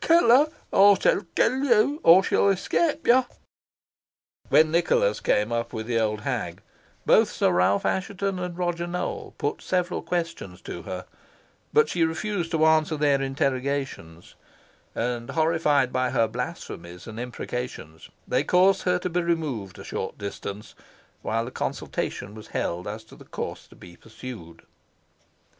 "Kill her, or she will 'scape you." When Nicholas came up with the old hag, both Sir Ralph Assheton and Roger Nowell put several questions to her, but she refused to answer their interrogations; and, horrified by her blasphemies and imprecations, they caused her to be removed to a short distance, while a consultation was held as to the course to be pursued.